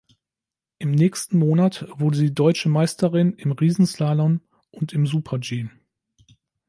Im nächsten Monat wurde sie Deutsche Meisterin im Riesenslalom und im Super-G.